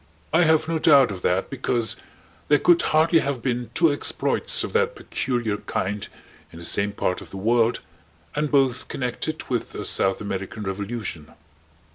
I have no doubt of that because there could hardly have been two exploits of that peculiar kind in the same part of the world and both connected with a South American revolution.